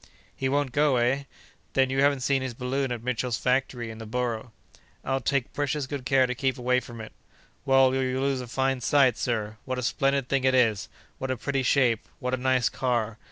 "He won't go, eh? Then you haven't seen his balloon at Mitchell's factory in the Borough?" "I'll take precious good care to keep away from it!" "Well, you'll lose a fine sight, sir. What a splendid thing it is! What a pretty shape! What a nice car!